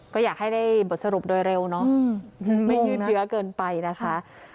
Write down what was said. ก็อยากให้ได้บทสรุปโดยเร็วเนอะไม่ยืดเยอะเกินไปนะคะ